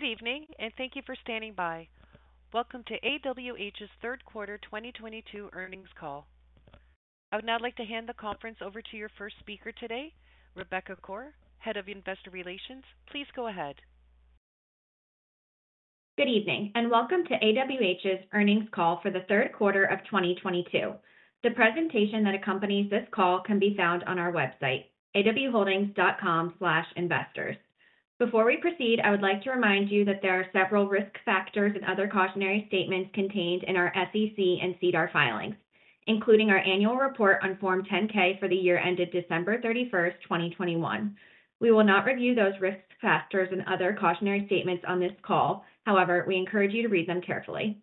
Good evening, and thank you for standing by. Welcome to AWH's third quarter 2022 earnings call. I would now like to hand the conference over to your first speaker today, Rebecca Koar, Head of Investor Relations. Please go ahead. Good evening, and welcome to AWH's earnings call for the third quarter of 2022. The presentation that accompanies this call can be found on our website, awholdings.com/investors. Before we proceed, I would like to remind you that there are several risk factors and other cautionary statements contained in our SEC and SEDAR filings, including our annual report on Form 10-K for the year ended December 31, 2021. We will not review those risk factors and other cautionary statements on this call. However, we encourage you to read them carefully.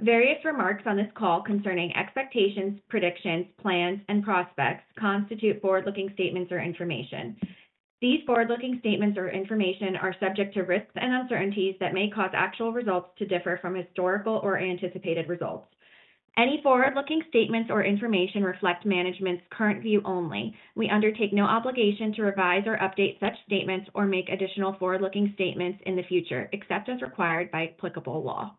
Various remarks on this call concerning expectations, predictions, plans, and prospects constitute forward-looking statements or information. These forward-looking statements or information are subject to risks and uncertainties that may cause actual results to differ from historical or anticipated results. Any forward-looking statements or information reflect management's current view only. We undertake no obligation to revise or update such statements or make additional forward-looking statements in the future, except as required by applicable law.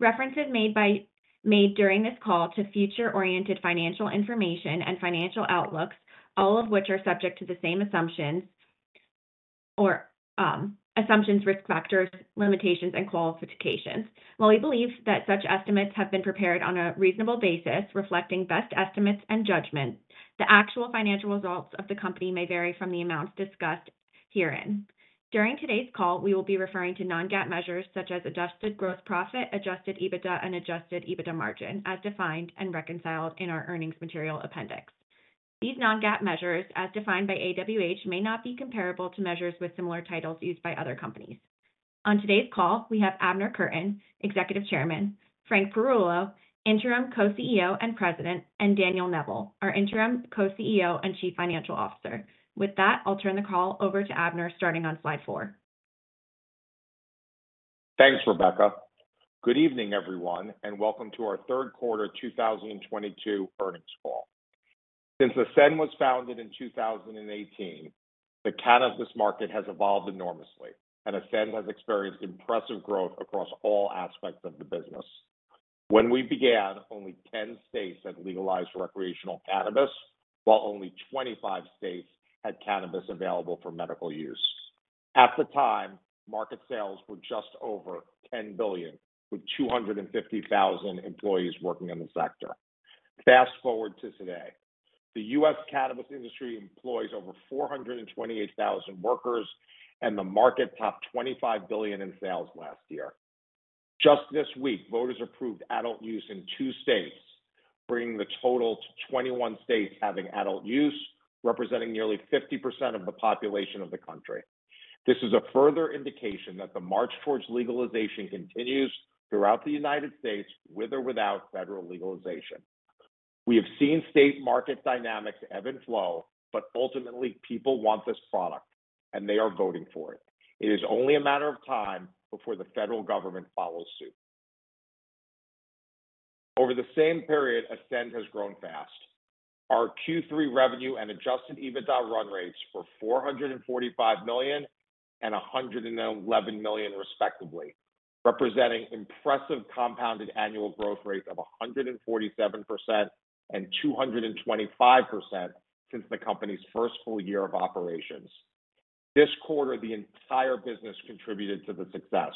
References made during this call to future-oriented financial information and financial outlooks, all of which are subject to the same assumptions, risk factors, limitations, and qualifications. While we believe that such estimates have been prepared on a reasonable basis reflecting best estimates and judgment, the actual financial results of the company may vary from the amounts discussed herein. During today's call, we will be referring to non-GAAP measures such as adjusted gross profit, adjusted EBITDA, and adjusted EBITDA margin, as defined and reconciled in our earnings material appendix. These non-GAAP measures, as defined by AWH, may not be comparable to measures with similar titles used by other companies. On today's call, we have Abner Kurtin, Executive Chairman, Frank Perullo, Interim Co-CEO and President, and Dan Neville, our Interim Co-CEO and Chief Financial Officer. With that, I'll turn the call over to Abner starting on slide four. Thanks, Rebecca. Good evening, everyone, and welcome to our third quarter 2022 earnings call. Since Ascend was founded in 2018, the cannabis market has evolved enormously, and Ascend has experienced impressive growth across all aspects of the business. When we began, only 10 states had legalized recreational cannabis, while only 25 states had cannabis available for medical use. At the time, market sales were just over $10 billion, with 250,000 employees working in the sector. Fast-forward to today. The U.S. cannabis industry employs over 428,000 workers, and the market topped $25 billion in sales last year. Just this week, voters approved adult use in two states, bringing the total to 21 states having adult use, representing nearly 50% of the population of the country. This is a further indication that the march towards legalization continues throughout the United States, with or without federal legalization. We have seen state market dynamics ebb and flow, but ultimately, people want this product, and they are voting for it. It is only a matter of time before the federal government follows suit. Over the same period, Ascend has grown fast. Our Q3 revenue and adjusted EBITDA run rates were $445 million and $111 million, respectively, representing impressive compounded annual growth rates of 147% and 225% since the company's first full year of operations. This quarter, the entire business contributed to the success.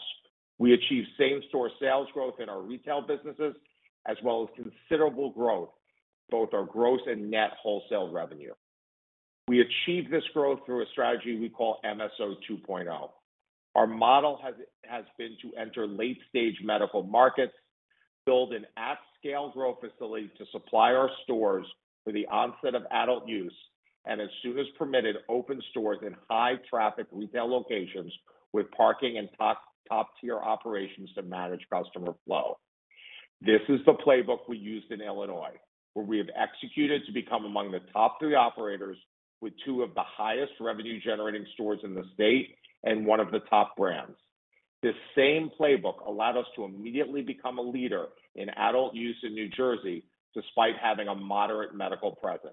We achieved same-store sales growth in our retail businesses, as well as considerable growth in both our gross and net wholesale revenue. We achieved this growth through a strategy we call MSO 2.0. Our model has been to enter late-stage medical markets, build an at-scale growth facility to supply our stores for the onset of adult use, and as soon as permitted, open stores in high-traffic retail locations with parking and top-tier operations to manage customer flow. This is the playbook we used in Illinois, where we have executed to become among the top three operators with two of the highest revenue-generating stores in the state and one of the top brands. This same playbook allowed us to immediately become a leader in adult use in New Jersey, despite having a moderate medical presence.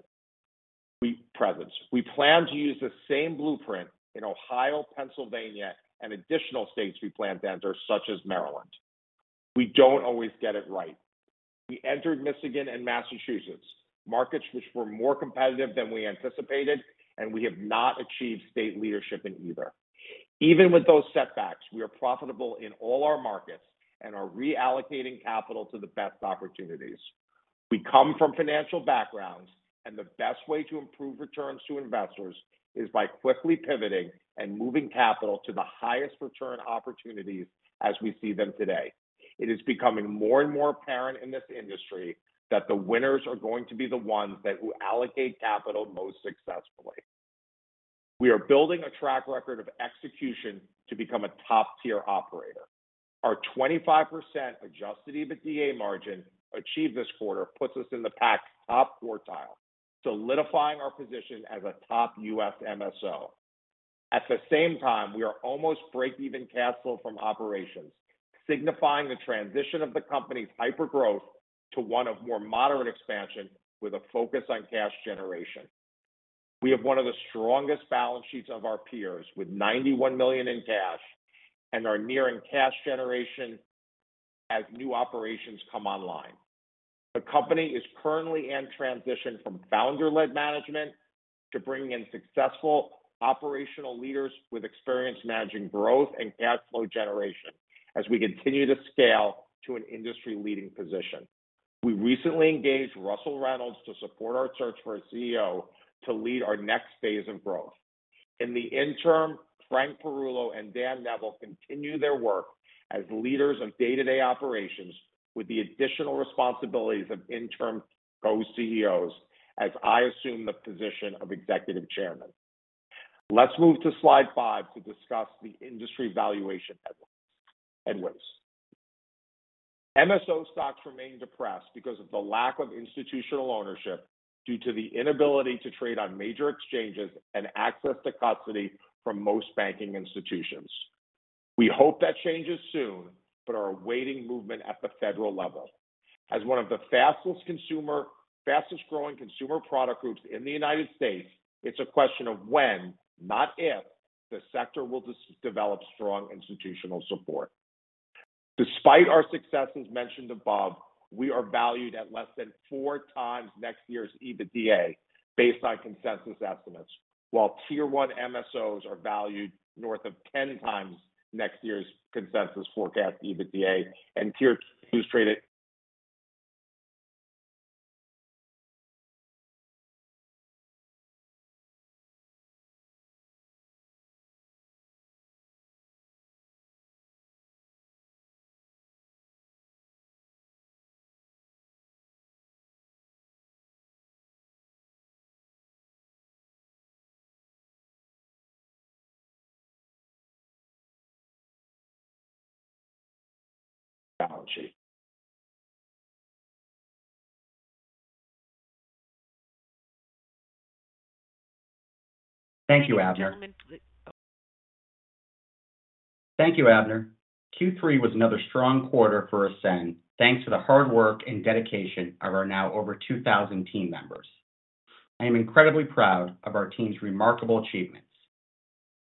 We plan to use the same blueprint in Ohio, Pennsylvania, and additional states we plan to enter, such as Maryland. We don't always get it right. We entered Michigan and Massachusetts, markets which were more competitive than we anticipated, and we have not achieved state leadership in either. Even with those setbacks, we are profitable in all our markets and are reallocating capital to the best opportunities. We come from financial backgrounds, and the best way to improve returns to investors is by quickly pivoting and moving capital to the highest return opportunities as we see them today. It is becoming more and more apparent in this industry that the winners are going to be the ones who allocate capital most successfully. We are building a track record of execution to become a top-tier operator. Our 25% adjusted EBITDA margin achieved this quarter puts us in the pack's top quartile, solidifying our position as a top U.S. MSO. At the same time, we are almost break-even cash from operations, signifying the transition of the company's hypergrowth to one of more moderate expansion with a focus on cash generation. We have one of the strongest balance sheets of our peers, with $91 million in cash and are nearing cash generation as new operations come online. The company is currently in transition from founder-led management to bringing in successful operational leaders with experience managing growth and cash flow generation as we continue to scale to an industry-leading position. We recently engaged Russell Reynolds Associates to support our search for a CEO to lead our next phase of growth. In the interim, Frank Perullo and Dan Neville continue their work as leaders of day-to-day operations with the additional responsibilities of interim co-CEOs as I assume the position of Executive Chairman. Let's move to slide five to discuss the industry valuation headwinds. MSO stocks remain depressed because of the lack of institutional ownership due to the inability to trade on major exchanges and access to custody from most banking institutions. We hope that changes soon, but are awaiting movement at the federal level. As one of the fastest-growing consumer product groups in the United States, it's a question of when, not if, the sector will develop strong institutional support. Despite our successes mentioned above, we are valued at less than 4x next year's EBITDA based on consensus estimates, while tier one MSOs are valued north of 10x next year's consensus forecast EBITDA and tier twos traded. Thank you, Abner. Q3 was another strong quarter for Ascend, thanks to the hard work and dedication of our now over 2,000 team members. I am incredibly proud of our team's remarkable achievements.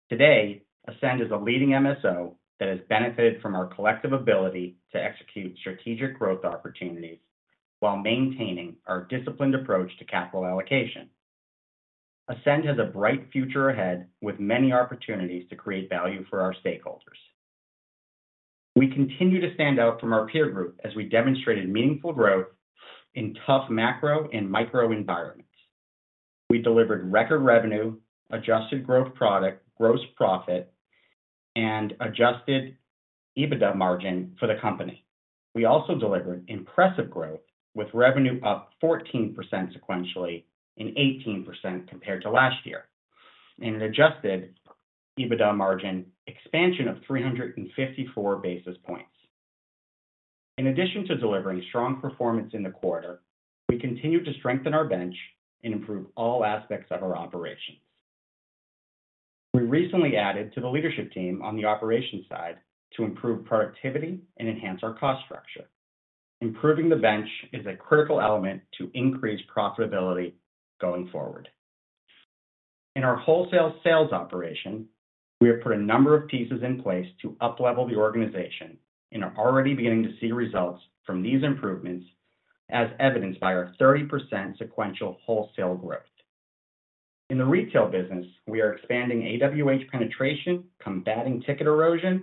Today, Ascend is a leading MSO that has benefited from our collective ability to execute strategic growth opportunities while maintaining our disciplined approach to capital allocation. Ascend has a bright future ahead with many opportunities to create value for our stakeholders. We continue to stand out from our peer group as we demonstrated meaningful growth in tough macro and micro environments. We delivered record revenue, adjusted gross profit, and adjusted EBITDA margin for the company. We also delivered impressive growth with revenue up 14% sequentially and 18% compared to last year, and an adjusted EBITDA margin expansion of 354 basis points. In addition to delivering strong performance in the quarter, we continued to strengthen our bench and improve all aspects of our operations. We recently added to the leadership team on the operations side to improve productivity and enhance our cost structure. Improving the bench is a critical element to increase profitability going forward. In our wholesale sales operation, we have put a number of pieces in place to uplevel the organization and are already beginning to see results from these improvements, as evidenced by our 30% sequential wholesale growth. In the retail business, we are expanding AWH penetration, combating ticket erosion,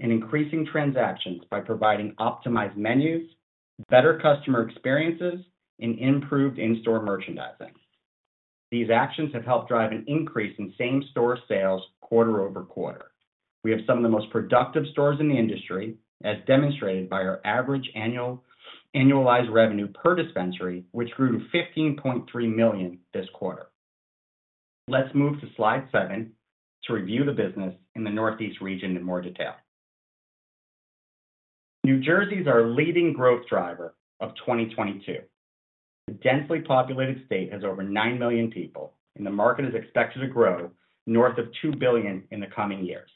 and increasing transactions by providing optimized menus, better customer experiences, and improved in-store merchandising. These actions have helped drive an increase in same-store sales quarter-over-quarter. We have some of the most productive stores in the industry, as demonstrated by our average annualized revenue per dispensary, which grew to $15.3 million this quarter. Let's move to slide seven to review the business in the Northeast region in more detail. New Jersey is our leading growth driver of 2022. The densely populated state has over 9 million people, and the market is expected to grow north of $2 billion in the coming years.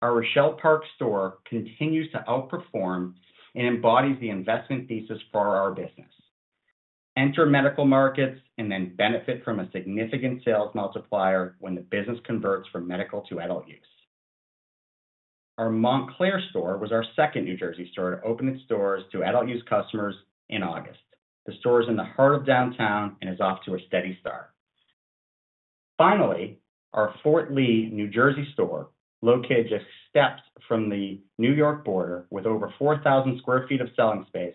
Our Rochelle Park store continues to outperform and embodies the investment thesis for our business. Enter medical markets and then benefit from a significant sales multiplier when the business converts from medical to adult use. Our Montclair store was our second New Jersey store to open its doors to adult use customers in August. The store is in the heart of downtown and is off to a steady start. Finally, our Fort Lee, New Jersey store, located just steps from the New York border with over 4,000 sq ft of selling space,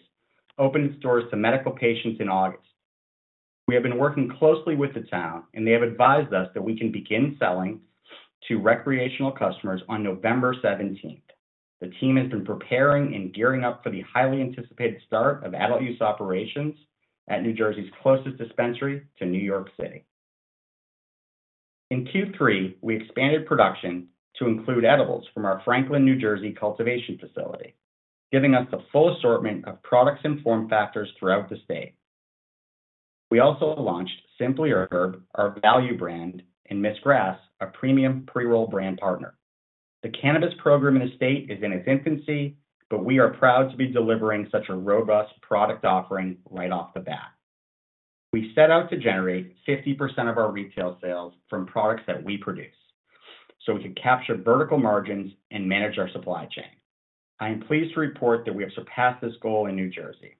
opened its doors to medical patients in August. We have been working closely with the town, and they have advised us that we can begin selling to recreational customers on November seventeenth. The team has been preparing and gearing up for the highly anticipated start of adult use operations at New Jersey's closest dispensary to New York City. In Q3, we expanded production to include edibles from our Franklin, New Jersey cultivation facility, giving us a full assortment of products and form factors throughout the state. We also launched Simply Herb, our value brand, and Miss Grass, our premium pre-roll brand partner. The cannabis program in the state is in its infancy, but we are proud to be delivering such a robust product offering right off the bat. We set out to generate 50% of our retail sales from products that we produce, so we could capture vertical margins and manage our supply chain. I am pleased to report that we have surpassed this goal in New Jersey.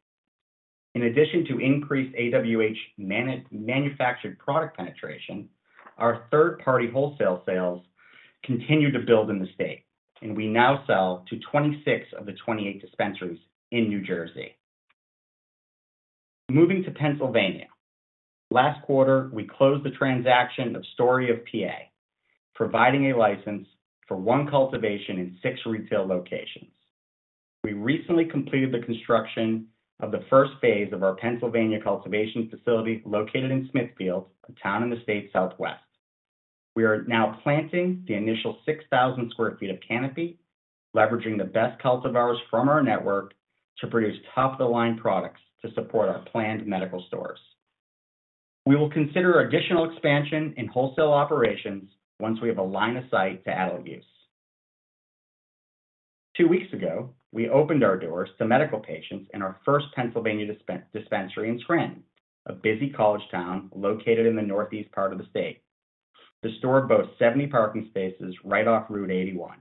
In addition to increased AWH manufactured product penetration, our third-party wholesale sales continue to build in the state, and we now sell to 26 of the 28 dispensaries in New Jersey. Moving to Pennsylvania. Last quarter, we closed the transaction of Story of PA, providing a license for one cultivation in six retail locations. We recently completed the construction of the first phase of our Pennsylvania cultivation facility located in Smithfield, a town in the state's southwest. We are now planting the initial 6,000 sq ft of canopy, leveraging the best cultivars from our network to produce top-of-the-line products to support our planned medical stores. We will consider additional expansion in wholesale operations once we have a line of sight to adult use. Two weeks ago, we opened our doors to medical patients in our first Pennsylvania dispensary in Scranton, a busy college town located in the northeast part of the state. The store boasts 70 parking spaces right off Route 81.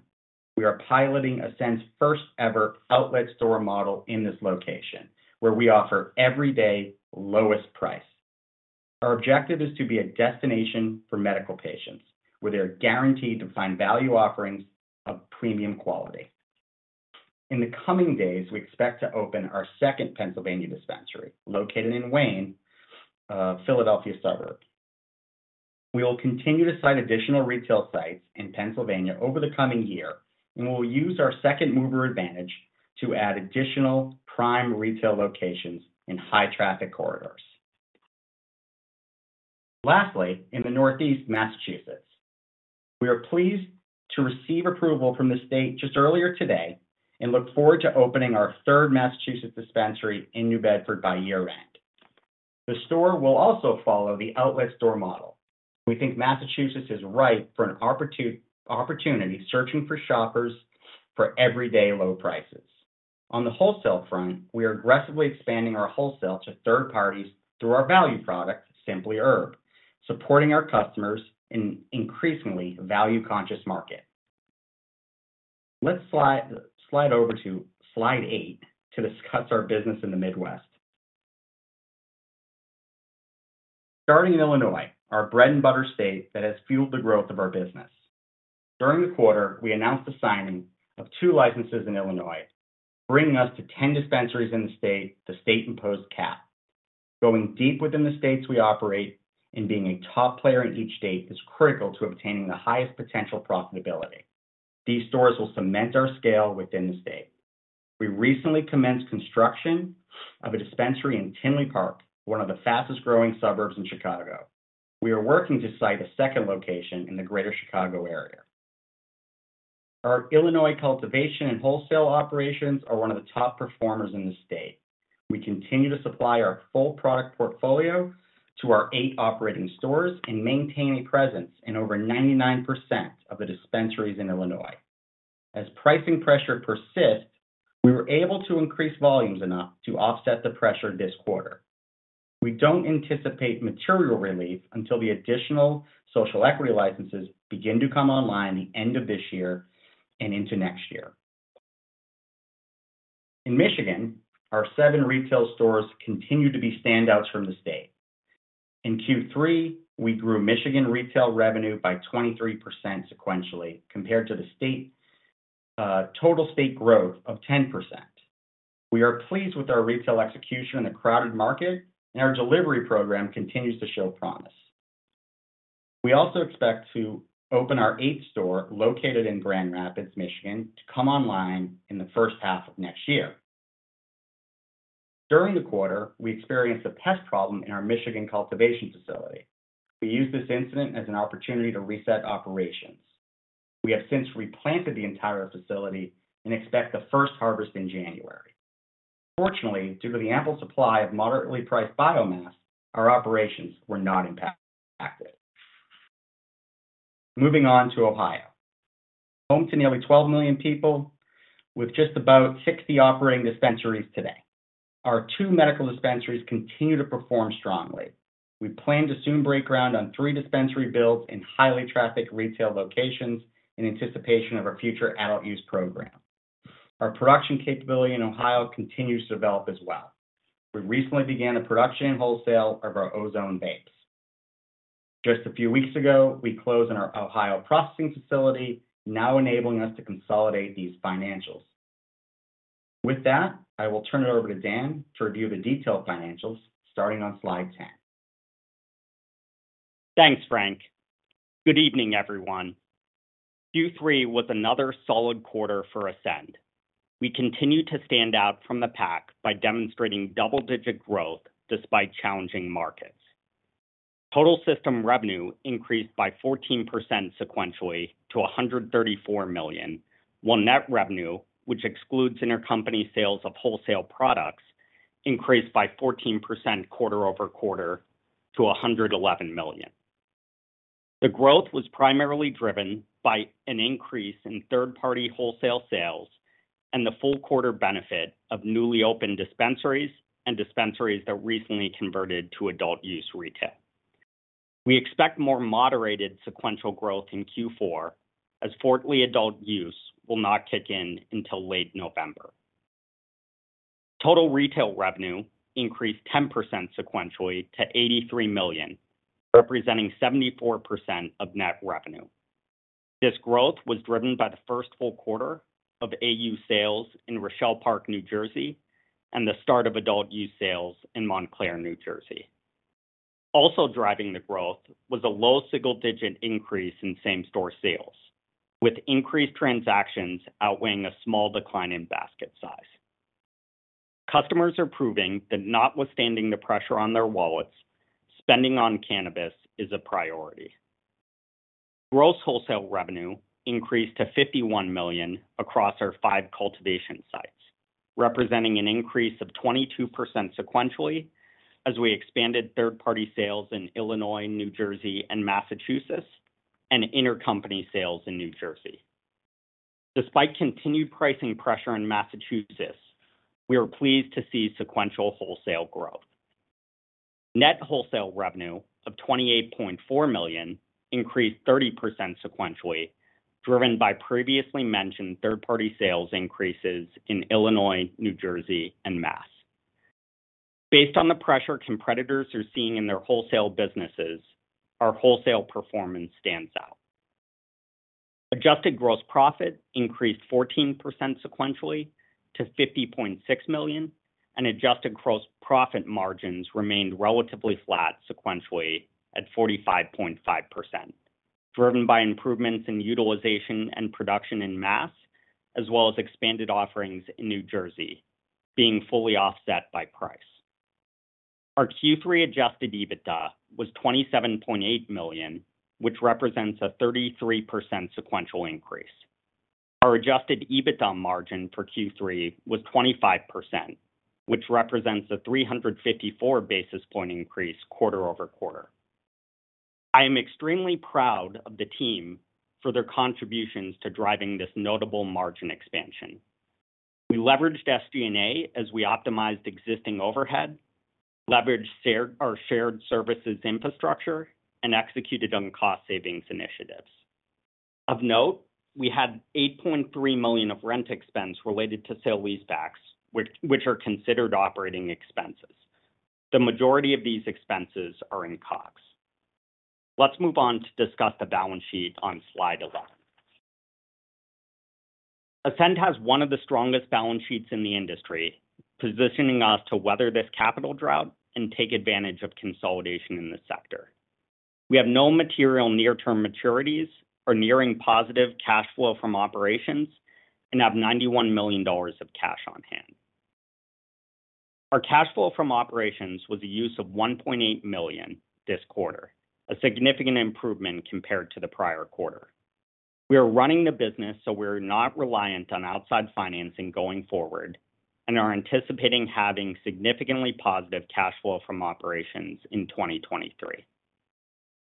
We are piloting Ascend's first-ever outlet store model in this location, where we offer everyday lowest price. Our objective is to be a destination for medical patients, where they are guaranteed to find value offerings of premium quality. In the coming days, we expect to open our second Pennsylvania dispensary located in Wayne, a Philadelphia suburb. We will continue to site additional retail sites in Pennsylvania over the coming year, and we'll use our second-mover advantage to add additional prime retail locations in high-traffic corridors. Lastly, in the northeast, Massachusetts. We are pleased to receive approval from the state just earlier today and look forward to opening our third Massachusetts dispensary in New Bedford by year-end. The store will also follow the outlet store model. We think Massachusetts is ripe for an opportunity searching for shoppers for everyday low prices. On the wholesale front, we are aggressively expanding our wholesale to third parties through our value product, Simply Herb, supporting our customers in an increasingly value-conscious market. Let's slide over to slide eight to discuss our business in the Midwest. Starting in Illinois, our bread-and-butter state that has fueled the growth of our business. During the quarter, we announced the signing of two licenses in Illinois, bringing us to 10 dispensaries in the state, the state-imposed cap. Going deep within the states we operate and being a top player in each state is critical to obtaining the highest potential profitability. These stores will cement our scale within the state. We recently commenced construction of a dispensary in Tinley Park, one of the fastest-growing suburbs in Chicago. We are working to site a second location in the greater Chicago area. Our Illinois cultivation and wholesale operations are one of the top performers in the state. We continue to supply our full product portfolio to our eight operating stores and maintain a presence in over 99% of the dispensaries in Illinois. As pricing pressure persists, we were able to increase volumes enough to offset the pressure this quarter. We don't anticipate material relief until the additional social equity licenses begin to come online the end of this year and into next year. In Michigan, our seven retail stores continue to be standouts from the state. In Q3, we grew Michigan retail revenue by 23% sequentially compared to the state, total state growth of 10%. We are pleased with our retail execution in a crowded market, and our delivery program continues to show promise. We also expect to open our eighth store located in Grand Rapids, Michigan, to come online in the first half of next year. During the quarter, we experienced a pest problem in our Michigan cultivation facility. We used this incident as an opportunity to reset operations. We have since replanted the entire facility and expect the first harvest in January. Fortunately, due to the ample supply of moderately priced biomass, our operations were not impacted. Moving on to Ohio. Home to nearly 12 million people, with just about 60 operating dispensaries today. Our two medical dispensaries continue to perform strongly. We plan to soon break ground on 3 dispensary builds in highly trafficked retail locations in anticipation of our future adult use program. Our production capability in Ohio continues to develop as well. We recently began the production and wholesale of our Ozone vapes. Just a few weeks ago, we closed on our Ohio processing facility, now enabling us to consolidate these financials. With that, I will turn it over to Dan to review the detailed financials starting on slide 10. Thanks, Frank. Good evening, everyone. Q3 was another solid quarter for Ascend. We continue to stand out from the pack by demonstrating double-digit growth despite challenging markets. Total system revenue increased by 14% sequentially to $134 million, while net revenue, which excludes intercompany sales of wholesale products, increased by 14% quarter over quarter to $111 million. The growth was primarily driven by an increase in third-party wholesale sales and the full quarter benefit of newly opened dispensaries and dispensaries that recently converted to adult use retail. We expect more moderated sequential growth in Q4, as Fort Lee adult use will not kick in until late November. Total retail revenue increased 10% sequentially to $83 million, representing 74% of net revenue. This growth was driven by the first full quarter of AU sales in Rochelle Park, New Jersey, and the start of adult use sales in Montclair, New Jersey. Also driving the growth was a low single-digit increase in same-store sales, with increased transactions outweighing a small decline in basket size. Customers are proving that notwithstanding the pressure on their wallets, spending on cannabis is a priority. Gross wholesale revenue increased to $51 million across our five cultivation sites, representing an increase of 22% sequentially as we expanded third-party sales in Illinois, New Jersey, and Massachusetts, and intercompany sales in New Jersey. Despite continued pricing pressure in Massachusetts, we are pleased to see sequential wholesale growth. Net wholesale revenue of $28.4 million increased 30% sequentially, driven by previously mentioned third-party sales increases in Illinois, New Jersey, and Massachusetts. Based on the pressure competitors are seeing in their wholesale businesses, our wholesale performance stands out. Adjusted gross profit increased 14% sequentially to $50.6 million, and adjusted gross profit margins remained relatively flat sequentially at 45.5%, driven by improvements in utilization and production in Mass, as well as expanded offerings in New Jersey, being fully offset by price. Our Q3 adjusted EBITDA was $27.8 million, which represents a 33% sequential increase. Our adjusted EBITDA margin for Q3 was 25%, which represents a 354 basis point increase quarter-over-quarter. I am extremely proud of the team for their contributions to driving this notable margin expansion. We leveraged SG&A as we optimized existing overhead, leveraged our shared services infrastructure, and executed on cost savings initiatives. Of note, we had $8.3 million of rent expense related to sale leasebacks, which are considered operating expenses. The majority of these expenses are in COGS. Let's move on to discuss the balance sheet on slide 11. Ascend has one of the strongest balance sheets in the industry, positioning us to weather this capital drought and take advantage of consolidation in the sector. We have no material near-term maturities, are nearing positive cash flow from operations, and have $91 million of cash on hand. Our cash flow from operations was a use of $1.8 million this quarter, a significant improvement compared to the prior quarter. We are running the business, so we're not reliant on outside financing going forward and are anticipating having significantly positive cash flow from operations in 2023.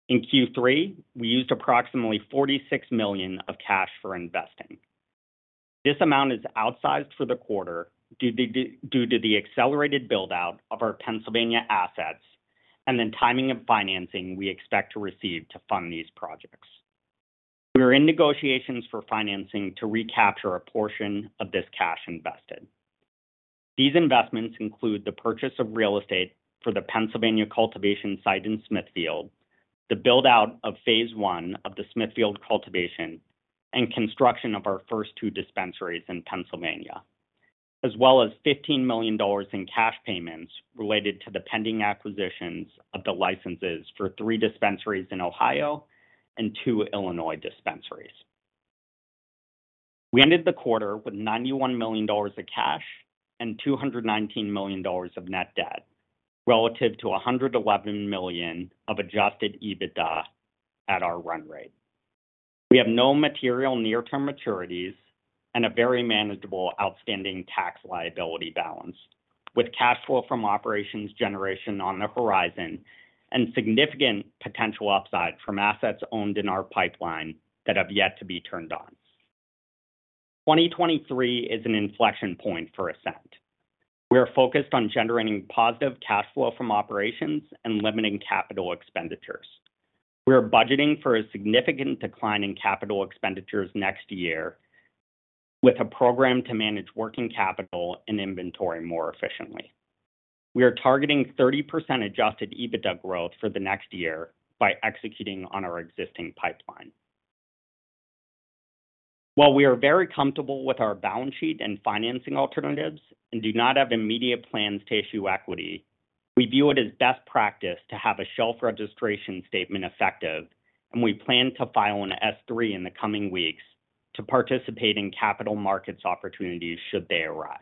In Q3, we used approximately $46 million of cash for investing. This amount is outsized for the quarter due to the accelerated build-out of our Pennsylvania assets and the timing of financing we expect to receive to fund these projects. We are in negotiations for financing to recapture a portion of this cash invested. These investments include the purchase of real estate for the Pennsylvania cultivation site in Smithfield, the build-out of phase one of the Smithfield cultivation, and construction of our first two dispensaries in Pennsylvania. As well as $15 million in cash payments related to the pending acquisitions of the licenses for three dispensaries in Ohio and two Illinois dispensaries. We ended the quarter with $91 million of cash and $219 million of net debt, relative to 111 million of adjusted EBITDA at our run rate. We have no material near-term maturities and a very manageable outstanding tax liability balance, with cash flow from operations generation on the horizon and significant potential upside from assets owned in our pipeline that have yet to be turned on. 2023 is an inflection point for Ascend. We are focused on generating positive cash flow from operations and limiting capital expenditures. We are budgeting for a significant decline in capital expenditures next year with a program to manage working capital and inventory more efficiently. We are targeting 30% adjusted EBITDA growth for the next year by executing on our existing pipeline. While we are very comfortable with our balance sheet and financing alternatives and do not have immediate plans to issue equity, we view it as best practice to have a shelf registration statement effective, and we plan to file an S3 in the coming weeks to participate in capital markets opportunities should they arise.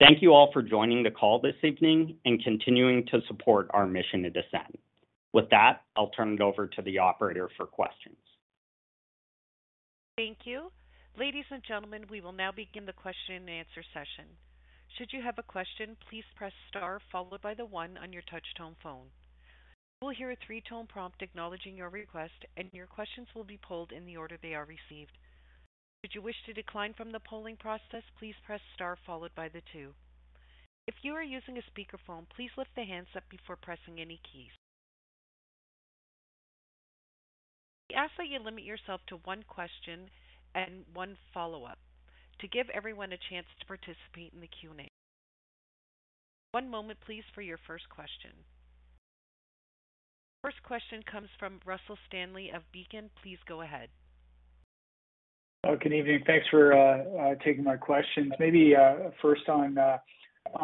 Thank you all for joining the call this evening and continuing to support our mission at Ascend. With that, I'll turn it over to the operator for questions. Thank you. Ladies and gentlemen, we will now begin the question-and-answer session. Should you have a question, please press star followed by the one on your touchtone phone. You will hear a three-tone prompt acknowledging your request, and your questions will be polled in the order they are received. Should you wish to decline from the polling process, please press star followed by the two. If you are using a speakerphone, please lift the handset before pressing any keys. We ask that you limit yourself to one question and one follow-up to give everyone a chance to participate in the Q&A. One moment please for your first question. The first question comes from Russell Stanley of Beacon. Please go ahead. Good evening. Thanks for taking my questions. Maybe first on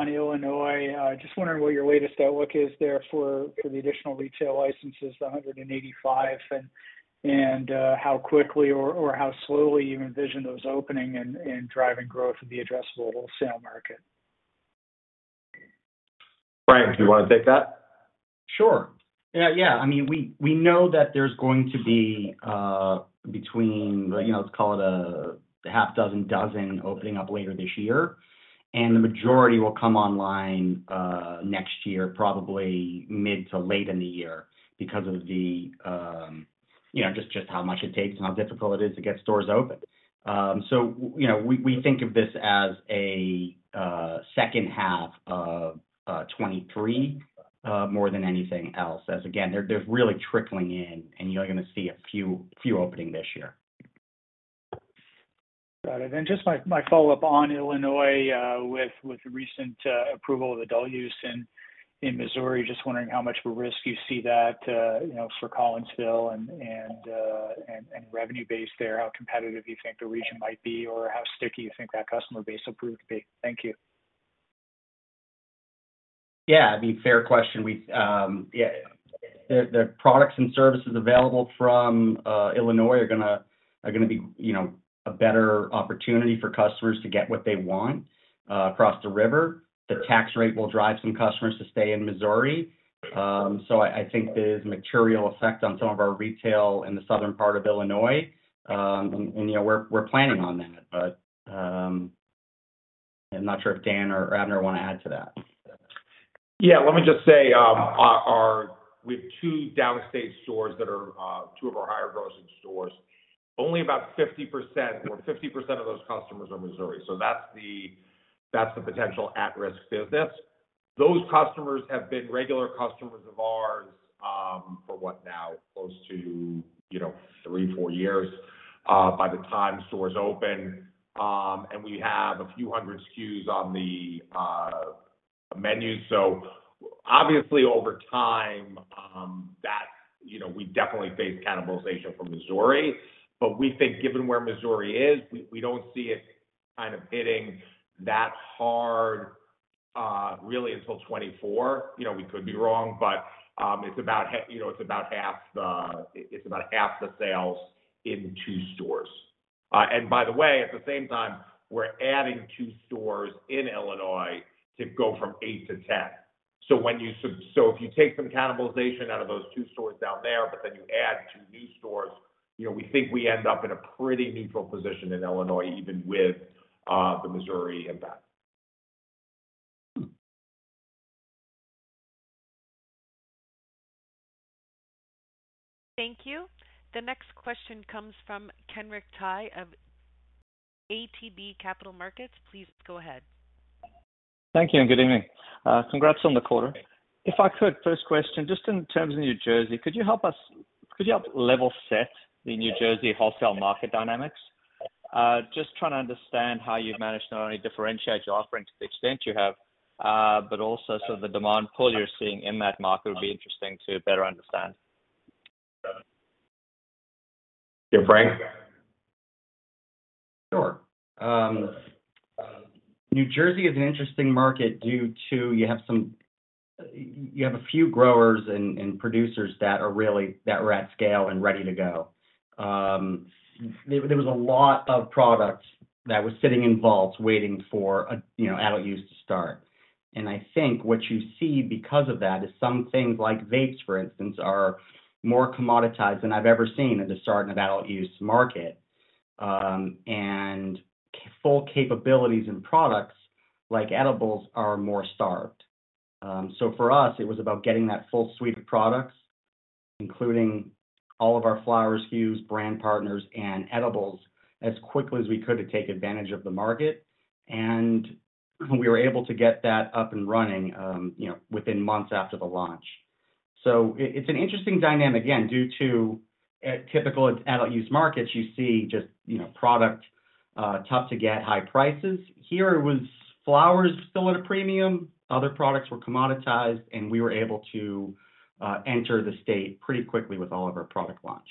Illinois, just wondering what your latest outlook is there for the additional retail licenses, the 185, and how quickly or how slowly you envision those opening and driving growth of the addressable wholesale market. Frank, do you want to take that? Sure. Yeah, yeah. I mean, we know that there's going to be, between, you know, let's call it a half dozen opening up later this year, and the majority will come online, next year, probably mid to late in the year because of the, you know, just how much it takes and how difficult it is to get stores open. So, you know, we think of this as a, second half of 2023, more than anything else, as again, they're really trickling in and you're only gonna see a few opening this year. Got it. Just my follow-up on Illinois, with the recent approval of adult use in Missouri, just wondering how much of a risk you see that, you know, for Collinsville and revenue base there, how competitive you think the region might be or how sticky you think that customer base will prove to be. Thank you. Yeah, I mean, fair question. The products and services available from Illinois are gonna be, you know, a better opportunity for customers to get what they want across the river. The tax rate will drive some customers to stay in Missouri. I think there's material effect on some of our retail in the southern part of Illinois. You know, we're planning on that. I'm not sure if Dan or Abner want to add to that. Yeah. Let me just say, we have two downstate stores that are two of our higher grossing stores. Only about 50% or 50% of those customers are Missouri. That's the potential at-risk business. Those customers have been regular customers of ours for what now? Close to, you know, three, four years by the time stores open. We have a few hundred SKUs on the menu. So obviously over time, that, you know, we definitely face cannibalization from Missouri. We think given where Missouri is, we don't see it kind of hitting that hard really until 2024. You know, we could be wrong, but it's about half the sales in two stores. By the way, at the same time, we're adding two stores in Illinois to go from eight to 10. If you take some cannibalization out of those two stores down there, but then you add two new stores, you know, we think we end up in a pretty neutral position in Illinois, even with the Missouri impact. Thank you. The next question comes from Kenric Tyghe of ATB Capital Markets. Please go ahead. Thank you and good evening. Congrats on the quarter. If I could, first question, just in terms of New Jersey, could you help level set the New Jersey wholesale market dynamics? Just trying to understand how you've managed to not only differentiate your offering to the extent you have, but also so the demand pull you're seeing in that market would be interesting to better understand. Yeah, Frank. Sure. New Jersey is an interesting market due to you have a few growers and producers that were at scale and ready to go. There was a lot of product that was sitting in vaults waiting for, you know, adult use to start. I think what you see because of that is some things like vapes, for instance, are more commoditized than I've ever seen at the start of adult use market. Full capabilities in products like edibles are more starved. For us, it was about getting that full suite of products, including all of our flower SKUs, brand partners, and edibles, as quickly as we could to take advantage of the market, and we were able to get that up and running, you know, within months after the launch. It's an interesting dynamic, again, due to at typical adult use markets. You see just, you know, product tough to get, high prices. Here it was flowers still at a premium. Other products were commoditized, and we were able to enter the state pretty quickly with all of our product launch.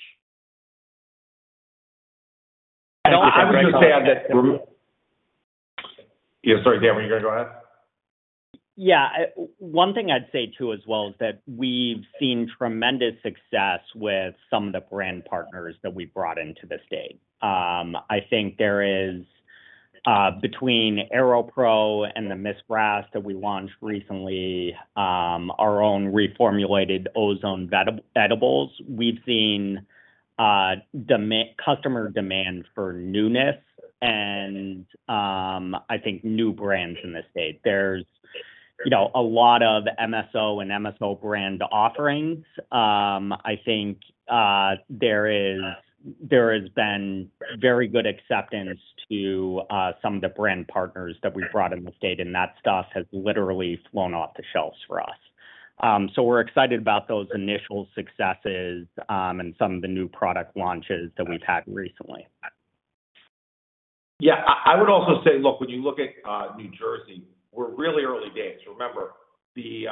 I would just say on that. Yeah. Sorry, Dan, were you gonna go ahead? Yeah. One thing I'd say too as well is that we've seen tremendous success with some of the brand partners that we've brought into the state. I think there isetween AiroPro and the Miss Grass that we launched recently, our own reformulated Ozone edibles, we've seen customer demand for newness and, I think new brands in the state. There's, you know, a lot of MSO and MSO brand offerings. I think there has been very good acceptance to some of the brand partners that we've brought in the state, and that stuff has literally flown off the shelves for us. So we're excited about those initial successes and some of the new product launches that we've had recently. Yeah. I would also say, look, when you look at New Jersey, we're really early days. Remember, the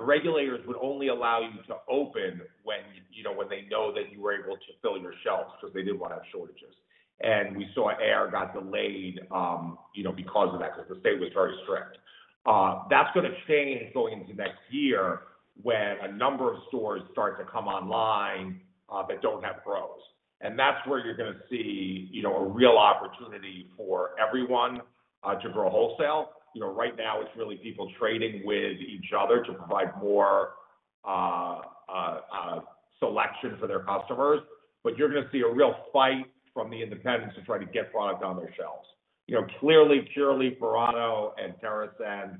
regulators would only allow you to open when, you know, when they know that you were able to fill your shelves because they didn't want to have shortages. We saw AR got delayed, you know, because of that, because the state was very strict. That's gonna change going into next year when a number of stores start to come online that don't have grows. That's where you're gonna see, you know, a real opportunity for everyone to grow wholesale. You know, right now it's really people trading with each other to provide more selection for their customers. You're gonna see a real fight from the independents to try to get product on their shelves. You know, clearly Curaleaf, Verano, and TerrAscend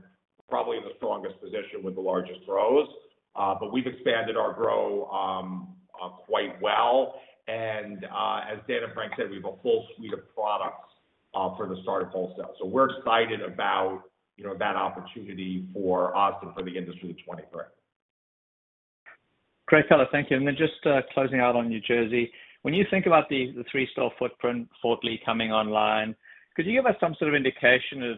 probably in the strongest position with the largest grows. We've expanded our grow quite well. As Dan and Frank said, we have a full suite of products for the start of wholesale. We're excited about, you know, that opportunity for us and for the industry in 2023. Great color. Thank you. Just closing out on New Jersey, when you think about the three-store footprint, Fort Lee coming online, could you give us some sort of indication of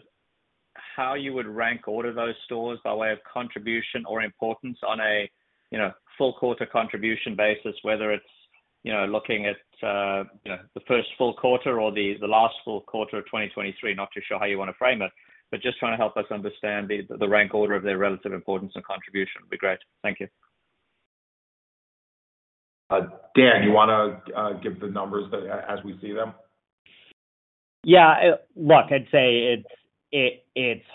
how you would rank order those stores by way of contribution or importance on a, you know, full quarter contribution basis, whether it's, you know, looking at the first full quarter or the last full quarter of 2023? Not too sure how you want to frame it, but just trying to help us understand the rank order of their relative importance and contribution would be great. Thank you. Dan, you wanna give the numbers as we see them? Look, I'd say it's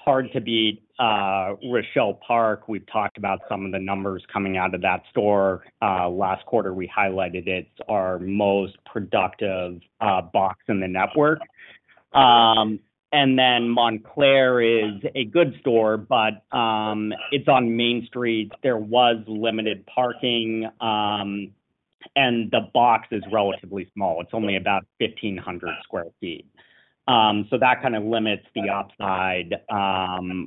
hard to beat Rochelle Park. We've talked about some of the numbers coming out of that store. Last quarter, we highlighted it's our most productive box in the network. Montclair is a good store, but it's on Main Street. There was limited parking, and the box is relatively small. It's only about 1,500 sq ft. That kind of limits the upside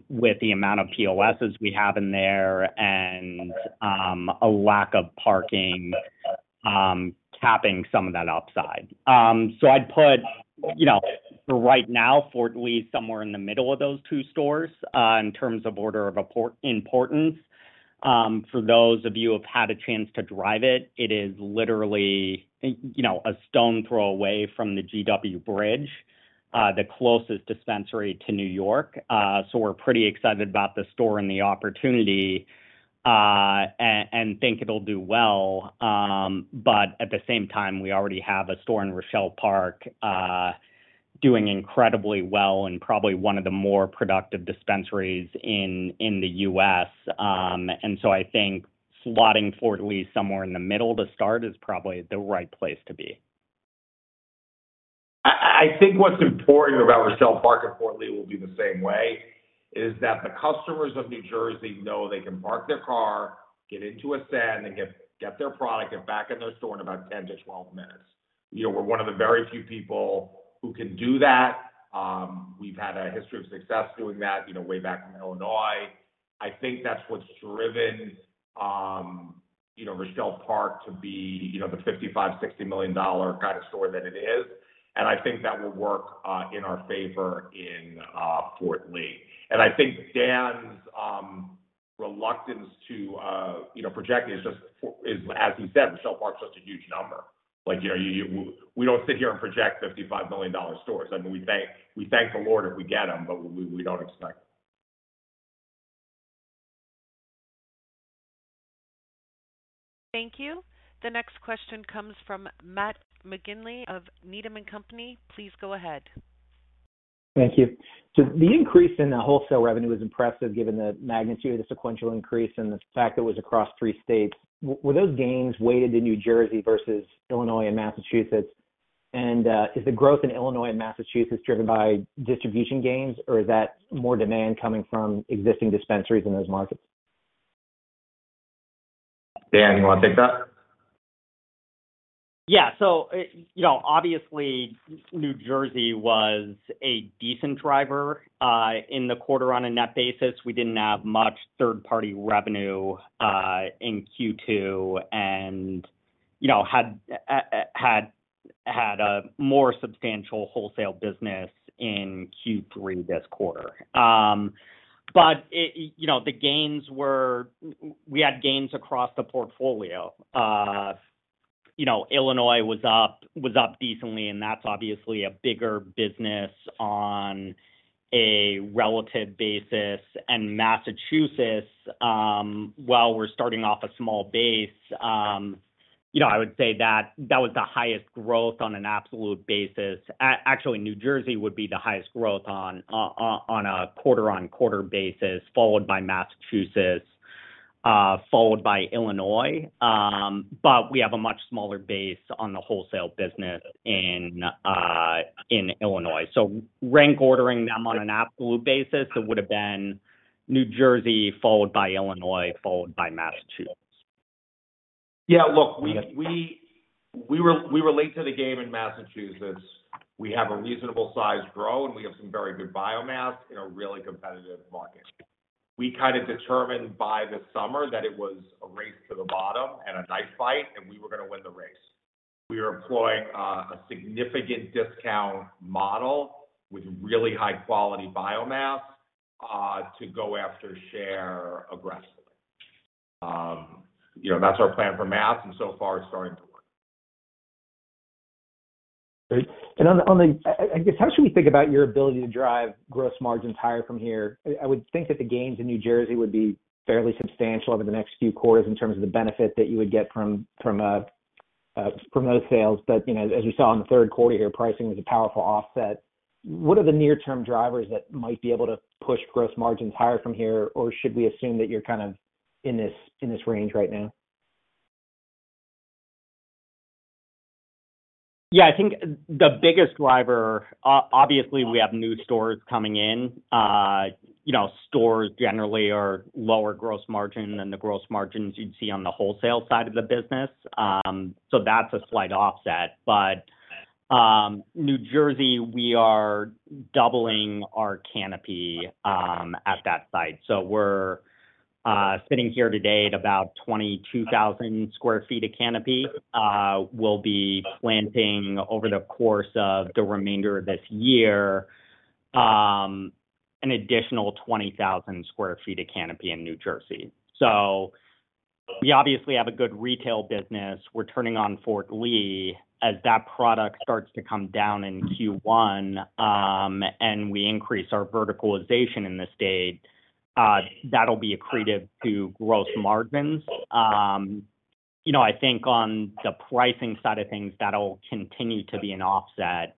with the amount of POSs we have in there and a lack of parking capping some of that upside. I'd put, you know, for right now, Fort Lee is somewhere in the middle of those two stores in terms of order of importance. For those of you who've had a chance to drive it is literally, you know, a stone's throw away from the GW Bridge, the closest dispensary to New York. We're pretty excited about the store and the opportunity, and think it'll do well. But at the same time, we already have a store in Rochelle Park, doing incredibly well and probably one of the more productive dispensaries in the U.S. I think slotting Fort Lee somewhere in the middle to start is probably the right place to be. I think what's important about Rochelle Park and Fort Lee will be the same way, is that the customers of New Jersey know they can park their car, get into Ascend, get their product, get back in their car in about 10-12 minutes. You know, we're one of the very few people who can do that. We've had a history of success doing that, you know, way back from Illinois. I think that's what's driven, you know, Rochelle Park to be, you know, the $55-$60 million kind of store that it is, and I think that will work in our favor in Fort Lee. I think Dan's reluctance to, you know, project is, as he said, Rochelle Park's such a huge number. Like, you know. We don't sit here and project $55 million stores. I mean, we thank the Lord if we get them, but we don't expect them. Thank you. The next question comes from Matt McGinley of Needham & Company. Please go ahead. Thank you. The increase in the wholesale revenue is impressive given the magnitude of the sequential increase and the fact it was across three states. Were those gains weighted to New Jersey versus Illinois and Massachusetts? Is the growth in Illinois and Massachusetts driven by distribution gains, or is that more demand coming from existing dispensaries in those markets? Dan, you wanna take that? Yeah. You know, obviously, New Jersey was a decent driver in the quarter on a net basis. We didn't have much third-party revenue in Q2 and, you know, had a more substantial wholesale business in Q3 this quarter. You know, we had gains across the portfolio. You know, Illinois was up decently, and that's obviously a bigger business on a relative basis. Massachusetts, while we're starting off a small base, you know, I would say that was the highest growth on an absolute basis. Actually, New Jersey would be the highest growth on a quarter-on-quarter basis, followed by Massachusetts, followed by Illinois. We have a much smaller base on the wholesale business in Illinois. Rank ordering them on an absolute basis, it would have been New Jersey, followed by Illinois, followed by Massachusetts. Yeah. Look, we were late to the game in Massachusetts. We have a reasonable size grow, and we have some very good biomass in a really competitive market. We kind of determined by the summer that it was a race to the bottom and a knife fight, and we were going to win the race. We are employing a significant discount model with really high-quality biomass to go after share aggressively. You know, that's our plan for mass, and so far it's starting to work. Great. I guess, how should we think about your ability to drive gross margins higher from here? I would think that the gains in New Jersey would be fairly substantial over the next few quarters in terms of the benefit that you would get from those sales. You know, as you saw in the third quarter here, pricing was a powerful offset. What are the near-term drivers that might be able to push gross margins higher from here? Or should we assume that you're kind of in this range right now? Yeah, I think the biggest driver, obviously we have new stores coming in. You know, stores generally are lower gross margin than the gross margins you'd see on the wholesale side of the business. That's a slight offset. New Jersey, we are doubling our canopy at that site. We're sitting here today at about 22,000 sq ft of canopy. We'll be planting over the course of the remainder of this year an additional 20,000 sq ft of canopy in New Jersey. We obviously have a good retail business. We're turning on Fort Lee. As that product starts to come down in Q1 and we increase our verticalization in the state, that'll be accretive to gross margins. You know, I think on the pricing side of things, that'll continue to be an offset.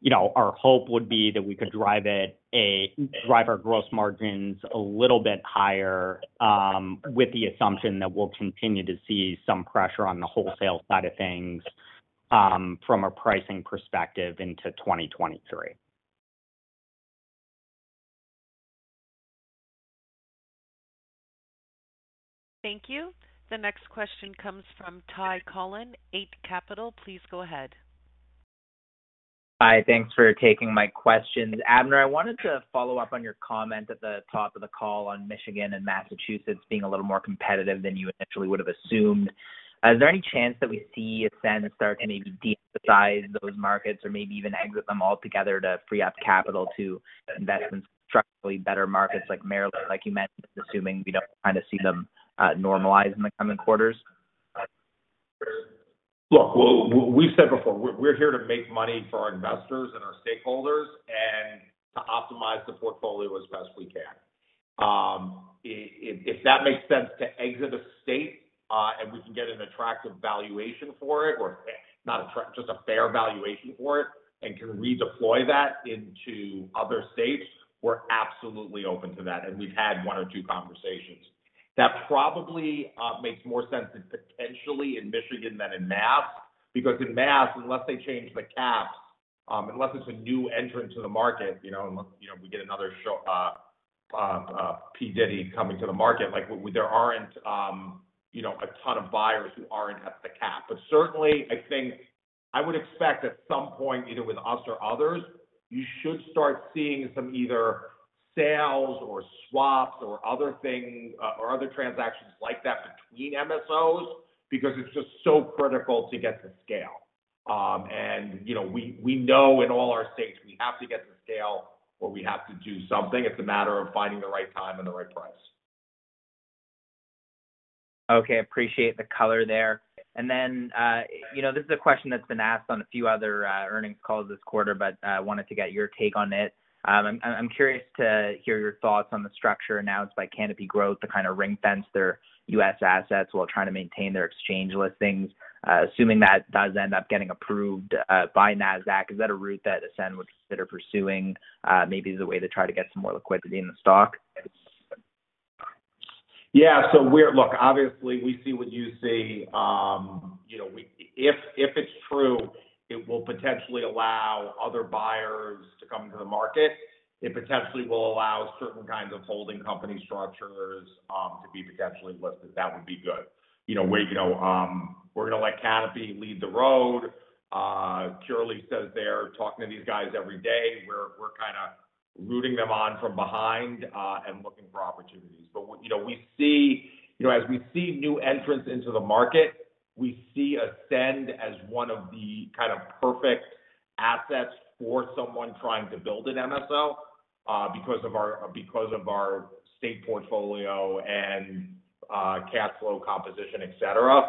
You know, our hope would be that we could drive our gross margins a little bit higher, with the assumption that we'll continue to see some pressure on the wholesale side of things, from a pricing perspective into 2023. Thank you. The next question comes from Ty Collin, Eight Capital. Please go ahead. Hi. Thanks for taking my questions. Abner, I wanted to follow up on your comment at the top of the call on Michigan and Massachusetts being a little more competitive than you initially would have assumed. Is there any chance that we see Ascend start to maybe de-emphasize those markets or maybe even exit them altogether to free up capital to invest in structurally better markets like Maryland, like you mentioned, assuming we don't kind of see them, normalize in the coming quarters? Look, we've said before, we're here to make money for our investors and our stakeholders and to optimize the portfolio as best we can. If that makes sense to exit a state, and we can get an attractive valuation for it or just a fair valuation for it and can redeploy that into other states, we're absolutely open to that, and we've had one or two conversations. That probably makes more sense potentially in Michigan than in Mass. Because in Mass, unless they change the caps, unless it's a new entrant to the market, you know, unless we get another Sean Combs coming to the market, like there aren't a ton of buyers who aren't at the cap. Certainly, I think I would expect at some point, either with us or others, you should start seeing some either sales or swaps or other things, or other transactions like that between MSOs because it's just so critical to get to scale. you know, we know in all our states we have to get to scale or we have to do something. It's a matter of finding the right time and the right price. Okay. Appreciate the color there. You know, this is a question that's been asked on a few other earnings calls this quarter, but wanted to get your take on it. I'm curious to hear your thoughts on the structure announced by Canopy Growth to kind of ring-fence their U.S. assets while trying to maintain their exchange listings. Assuming that does end up getting approved by Nasdaq, is that a route that Ascend would consider pursuing, maybe as a way to try to get some more liquidity in the stock? Yeah. Look, obviously, we see what you see. You know, if it's true, it will potentially allow other buyers to come into the market. It potentially will allow certain kinds of holding company structures to be potentially listed. That would be good. You know, you know, we're gonna let Canopy lead the way. Curaleaf says they're talking to these guys every day. We're kind of rooting them on from behind and looking for opportunities. You know, we see, you know, as we see new entrants into the market, we see Ascend as one of the kind of perfect assets for someone trying to build an MSO, because of our state portfolio and cash flow composition, et cetera.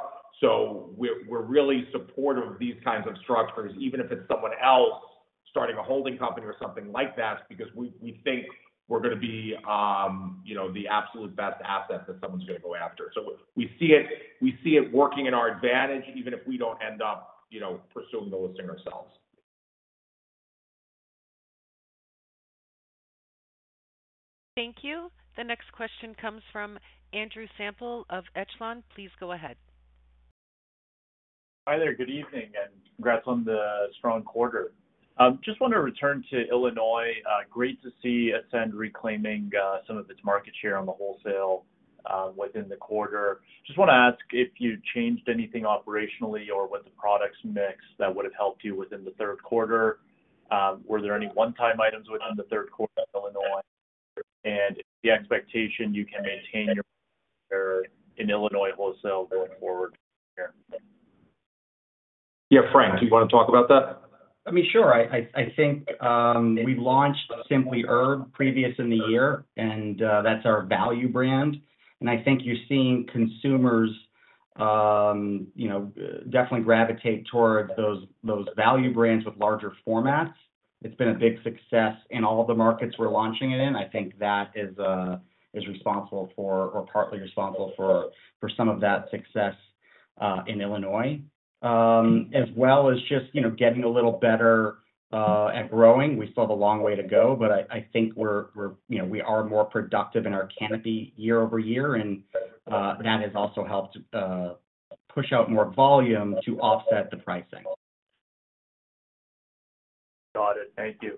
We're really supportive of these kinds of structures, even if it's someone else starting a holding company or something like that because we think we're gonna be, you know, the absolute best asset that someone's gonna go after. We see it working to our advantage, even if we don't end up, you know, pursuing the listing ourselves. Thank you. The next question comes from Andrew Semple of Echelon. Please go ahead. Hi there. Good evening, and congrats on the strong quarter. Just want to return to Illinois. Great to see Ascend reclaiming some of its market share on the wholesale within the quarter. Just wanna ask if you changed anything operationally or with the products mix that would have helped you within the third quarter. Were there any one-time items within the third quarter in Illinois? Is the expectation you can maintain your Illinois wholesale going forward? Yeah. Frank, do you want to talk about that? I mean, sure. I think we launched Simply Herb previously in the year, and that's our value brand. I think you're seeing consumers you know, definitely gravitate towards those value brands with larger formats. It's been a big success in all the markets we're launching it in. I think that is responsible for or partly responsible for some of that success in Illinois. As well as just you know, getting a little better at growing. We still have a long way to go, but I think you know, we are more productive in our canopy year-over-year, and that has also helped push out more volume to offset the pricing. Got it. Thank you.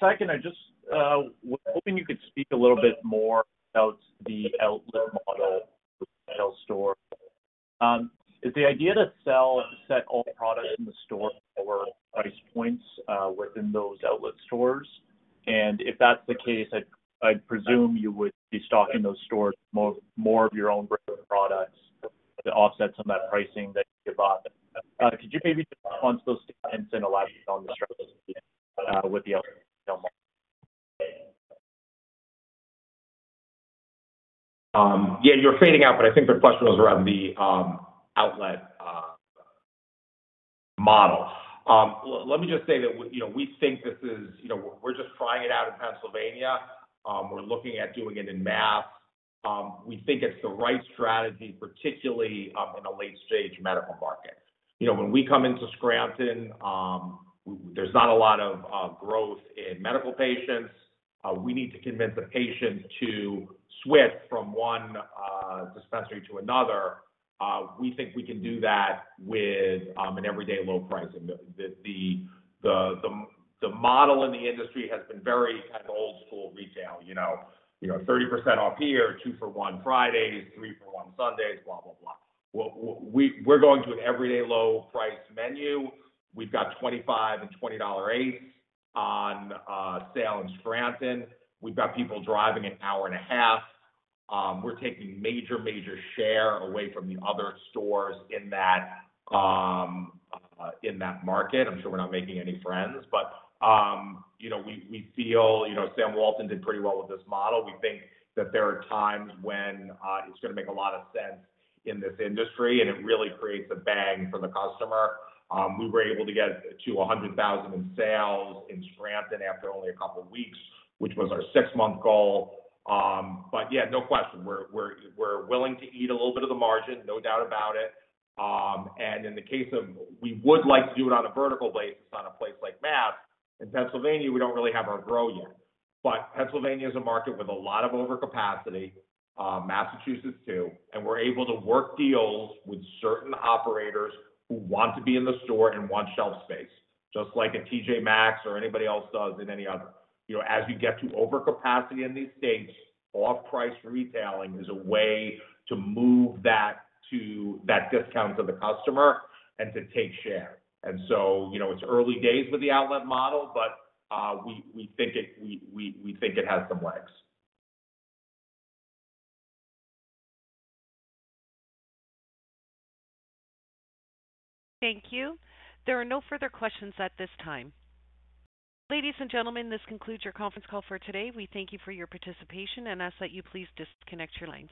Second, I just was hoping you could speak a little bit more about the outlet model retail store. Is the idea to sell and set all products in the store for price points within those outlet stores? If that's the case, I'd presume you would be stocking those stores more of your own brand products to offset some of that pricing that you give on. Could you maybe touch on those two and shed light on the strategy with the outlet model? Yeah, you're fading out, but I think the question was around the outlet model. Let me just say that, you know, we think this is. You know, we're just trying it out in Pennsylvania. We're looking at doing it in Mass. We think it's the right strategy, particularly in a late-stage medical market. You know, when we come into Scranton, there's not a lot of growth in medical patients. We need to convince a patient to switch from one dispensary to another. We think we can do that with an everyday low pricing. The model in the industry has been very kind of old school retail, you know. You know, 30% off here, two-for-one Fridays, three-for-one Sundays, blah, blah. We're going to an everyday low price menu. We've got $25 and $20-dollar eighths on sale in Scranton. We've got people driving an hour and a half. We're taking major share away from the other stores in that market. I'm sure we're not making any friends, but you know, we feel, you know, Sam Walton did pretty well with this model. We think that there are times when it's gonna make a lot of sense in this industry, and it really creates a bang for the customer. We were able to get to $100,000 in sales in Scranton after only a couple weeks, which was our six-month goal. Yeah, no question we're willing to eat a little bit of the margin, no doubt about it. In the case of we would like to do it on a vertical basis on a place like Mass. In Pennsylvania, we don't really have our grow yet. Pennsylvania is a market with a lot of overcapacity, Massachusetts too, and we're able to work deals with certain operators who want to be in the store and want shelf space, just like a TJ Maxx or anybody else does in any other. You know, as you get to overcapacity in these states, off-price retailing is a way to move that to that discount to the customer and to take share. You know, it's early days with the outlet model, but we think it has some legs. Thank you. There are no further questions at this time. Ladies and gentlemen, this concludes your conference call for today. We thank you for your participation and ask that you please disconnect your lines.